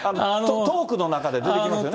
トークの中で出てきますよね。